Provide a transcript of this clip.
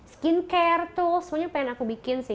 skincare tuh semuanya pengen aku bikin sih